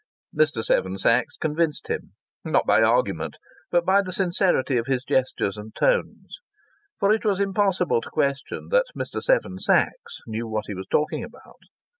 Mr. Seven Sachs convinced him not by argument but by the sincerity of his gestures and tones. For it was impossible to question that Mr. Seven Sachs knew what he was talking about.